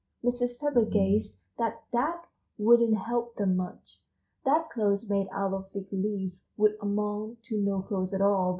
Mrs. Pepper guessed that that wouldn't help them much; that clothes made out of fig leaves would amount to no clothes at all.